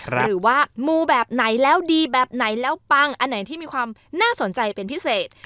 หรือว่ามูแบบไหนแล้วดีแบบไหนแล้วปังอันไหนที่มีความน่าสนใจเป็นพิเศษ